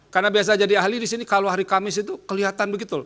karena biasa jadi ahli disini kalau hari kamis itu kelihatan begitu